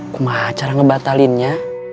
kumah acara ngebatalinnya